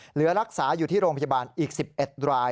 เหลือรักษาอยู่ที่โรงพยาบาลอีก๑๑ราย